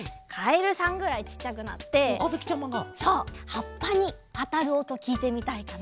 はっぱにあたるおときいてみたいかな。